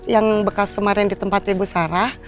yang bekas kemarin di tempat ibu sarah